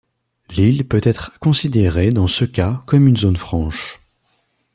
L'île peut être considérée dans ce cas comme une zone franche.